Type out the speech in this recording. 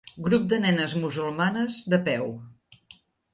Grup de nenes musulmanes de peu.